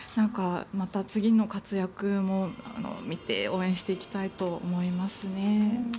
また次の活躍も見て応援していきたいと思いますね。